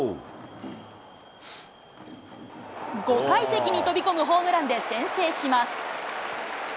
５回席に飛び込むホームランで先制します。